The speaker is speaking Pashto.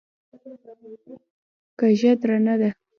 کږه درانه ده.